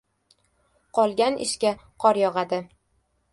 • Qolgan ishga qor yog‘adi.